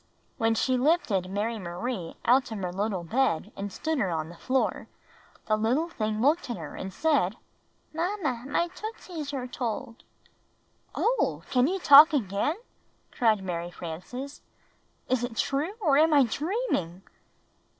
When she lifted Mary Marie out of her little bed and stood her on the floor, the little thing looked at her and said, "Mamma, my tootsies are told." "Oh, can you talk again?" cried Mary Frances. "Is it true, or am I dreaming?"